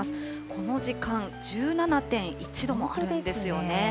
この時間、１７．１度もあるんですよね。